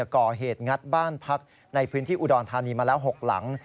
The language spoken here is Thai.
ก่อเหตุงัดบ้านพักในพื้นที่อุดรธานีมาแล้ว๖หลัง